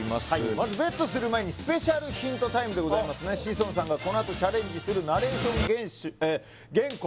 まずＢＥＴする前にスペシャルヒントタイムでございますね志尊さんがこのあとチャレンジするえ原稿